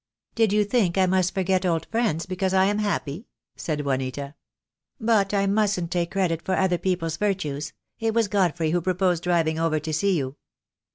"Did you think I must forget old friends because I am happy?" said Juanita. "But I mustn't take credit for other people's virtues . It was Godfrey who proposed driving over to see you."